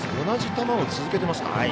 同じ球を続けていますか？